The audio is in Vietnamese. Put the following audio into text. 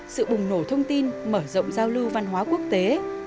sự bùng nổ thông tin mở rộng giao lưu văn hóa quốc tế